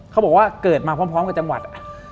เขาบอกว่าเกิดมาพร้อมกับจังหวัด